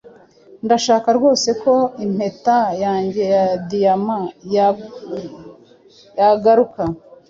Ndashaka rwose ko impeta yanjye ya diyama yagaruka.